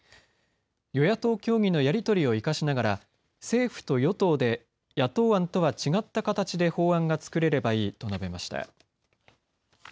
与野党協議のやり取りを生かしながら政府と与党で野党案とは違った形で法案が作れればいいと述べました。